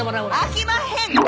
あきまへん！